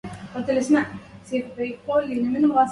هذه القصة لا شأن لها